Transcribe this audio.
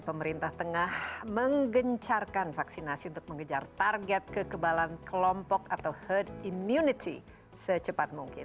pemerintah tengah menggencarkan vaksinasi untuk mengejar target kekebalan kelompok atau herd immunity secepat mungkin